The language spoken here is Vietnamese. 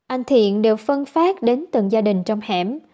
anh thiện đều phân phát đến từng gia đình trong hẻm